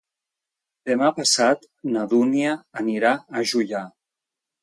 Demà passat na Dúnia anirà a Juià.